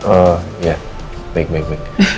oh iya baik baik